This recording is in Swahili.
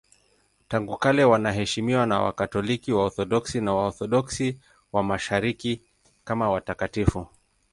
Tangu kale wanaheshimiwa na Wakatoliki, Waorthodoksi na Waorthodoksi wa Mashariki kama watakatifu.